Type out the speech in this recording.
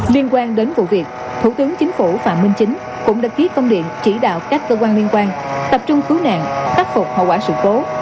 liên quan đến vụ việc thủ tướng chính phủ phạm minh chính cũng đã ký công điện chỉ đạo các cơ quan liên quan tập trung cứu nạn khắc phục hậu quả sự cố